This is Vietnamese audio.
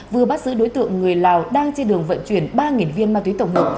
vừa bắt giữ đối tượng người lào đang trên đường vận chuyển ba viên ma túy tổng hợp